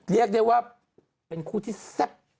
เรียกได้ว่าเป็นคู่ที่แซ่บ